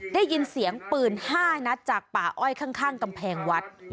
ได้ยินเสียงปืน๕นัดจากป่าอ้อยข้างกำแพงวัด